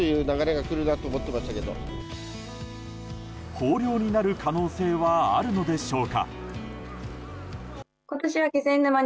豊漁になる可能性はあるのでしょうか。